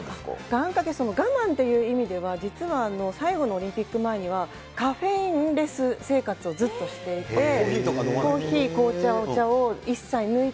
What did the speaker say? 願掛け、我慢という意味では、実は最後のオリンピック前には、カフェインレス生活をずっとしてコーヒーとか飲まない？